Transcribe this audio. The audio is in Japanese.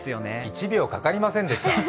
１秒かかりませんでした。